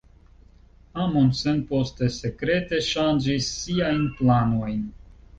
Amundsen poste sekrete ŝanĝis siajn planojn.